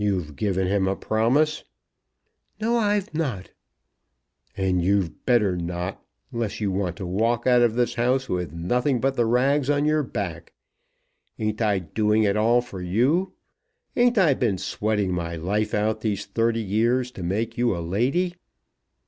"You've given him a promise." "No; I've not." "And you'd better not, unless you want to walk out of this house with nothing but the rags on your back. Ain't I doing it all for you? Ain't I been sweating my life out these thirty years to make you a lady?"